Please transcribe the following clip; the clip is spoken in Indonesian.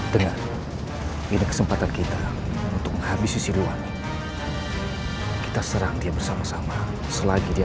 dengan ini kesempatan kita untuk menghabisi siluan kita serang bersama sama selagi dia